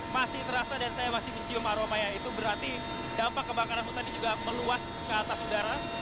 masih terasa dan saya masih mencium aromanya itu berarti dampak kebakaran hutan ini juga meluas ke atas udara